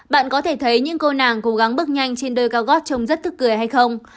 bạn có thể thấy những cô nàng cố gắng bước nhanh trên đời cao gót trông rất thức cười hay không